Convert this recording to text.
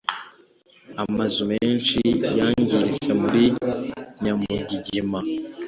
Amazu menshi yangiritse muri nyamugigima